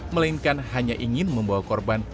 melainkan hanya ingin membawa korban